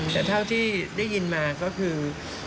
แต่เท่าที่ได้ยินมาก็คือ